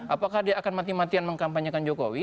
apakah dia akan mati matian mengkampanyekan jokowi